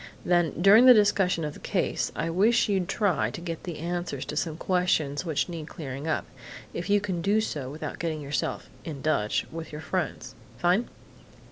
"Then, during the discussion of the case, I wish you'd try to get the answers to some questions which need clearing up if you can do so without getting yourself 'in Dutch' with your friends.... Fine!